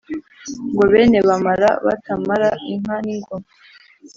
ngo bene bamara batamara inka n’ingoma